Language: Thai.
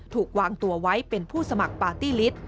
ถูกวางตัวไว้เป็นผู้สมัครปาร์ตี้ลิต